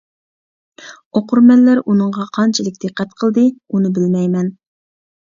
ئوقۇرمەنلەر ئۇنىڭغا قانچىلىك دىققەت قىلدى، ئۇنى بىلمەيمەن.